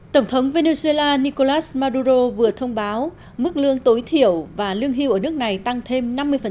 tổng thống venezuela nicolas maduro vừa thông báo mức lương tối thiểu và lương hưu ở nước này tăng thêm năm mươi